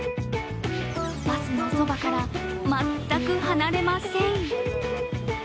バスのそばから全く離れません。